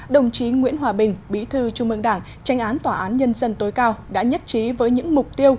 đồng chí nguyễn hòa bình bí thư trung ương đảng tranh án tòa án nhân dân tối cao đã nhất trí với những mục tiêu